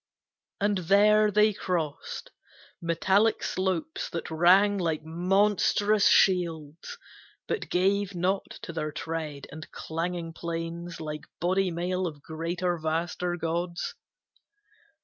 And there they crossed Metallic slopes that rang like monstrous shields, But gave not to their tread, and clanging plains Like body mail of greater, vaster gods.